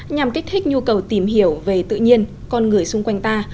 nhằm kích thích nhu cầu tìm hiểu về tự nhiên con người xung quanh ta